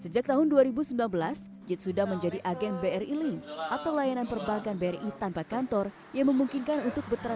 jit terpilih menjalankan tugas sebagai manajer unit usaha